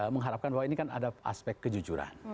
mengharapkan bahwa ini kan ada aspek kejujuran